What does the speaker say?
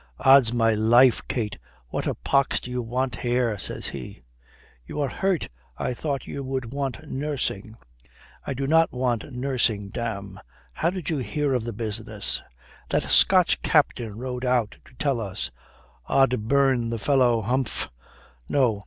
"Ods my life! Kate! What a pox do you want here?" says he. "You are hurt. I thought you would want nursing." "I do not want nursing, damme. How did you hear of the business?" "That Scotch captain rode out to tell us." "Od burn the fellow! Humph. No.